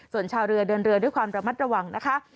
ส่วนชาวเรือเดินเรือด้วยความระมัดระวังนะคะ